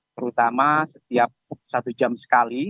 terutama setiap satu jam sekali